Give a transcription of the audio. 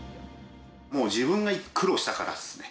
もう、自分が苦労したからっすね。